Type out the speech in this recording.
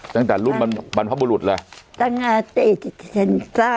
ตั้งแต่รุ่นบรรพบุรุษเลย